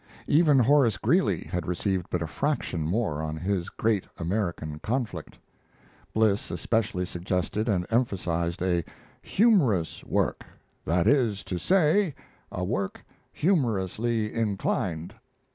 Even Horace Greeley had received but a fraction more on his Great American Conflict. Bliss especially suggested and emphasized a "humorous work that is to say, a work humorously inclined."